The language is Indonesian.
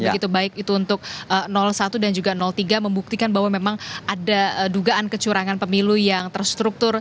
begitu baik itu untuk satu dan juga tiga membuktikan bahwa memang ada dugaan kecurangan pemilu yang terstruktur